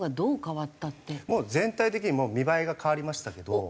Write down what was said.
もう全体的に見栄えが変わりましたけど。